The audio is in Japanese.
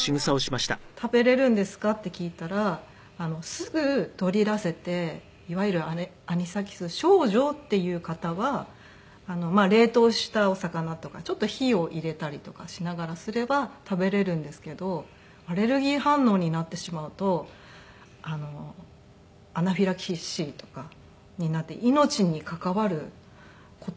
でもお魚は食べれるんですか？って聞いたらすぐ取り出せていわゆるアニサキス症状っていう方は冷凍したお魚とかちょっと火を入れたりとかしながらすれば食べれるんですけどアレルギー反応になってしまうとアナフィラキシーとかになって命に関わる事が起こる可能性。